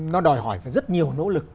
nó đòi hỏi về rất nhiều nỗ lực